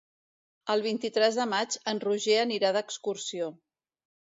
El vint-i-tres de maig en Roger anirà d'excursió.